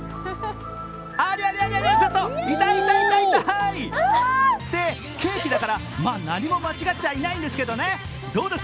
ありゃりゃ、ちょっと、痛い、痛い。ってケーキだから何も間違っちゃいないんですけどね、どうです？